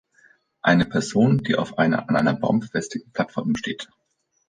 Eine Person, die auf einer an einem Baum befestigten Plattform steht.